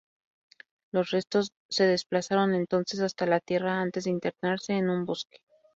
Los restos se desplazaron entonces hasta la tierra antes de internarse en un bosque.